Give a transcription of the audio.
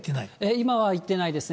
今はいってないですね。